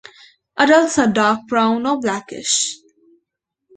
Adults are dark brown or blackish.